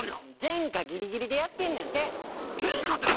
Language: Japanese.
原価ギリギリでやってんねんて原価って何？